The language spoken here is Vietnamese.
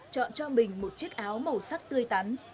chọn cho mình một chiếc áo màu sắc tươi tắn